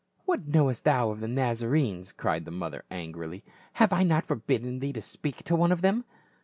"What knowest thou of the Nazarenes?" cried the mother angrily. " Have I not forbidden thee to speak to one of them?"